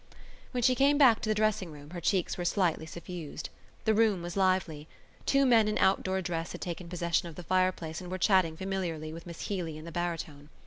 When she came back to the dressing room her cheeks were slightly suffused. The room was lively. Two men in outdoor dress had taken possession of the fireplace and were chatting familiarly with Miss Healy and the baritone.